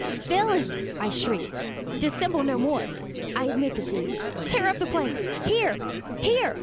"Villains!" I shrieked, "dissemble no more! I admit the deed! tear up the planks! here, here!